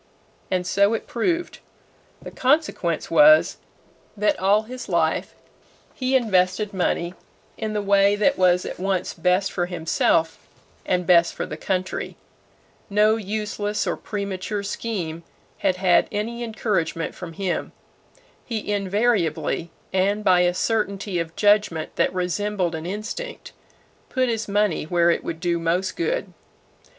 And so it proved. The consequence was, that all his life he invested money in the way that was at once best for himself and best for the country. No useless or premature scheme had had any encouragement from him. He invariably, and by a certainty of judgment that resembled an instinct, "put his money where it would do most good."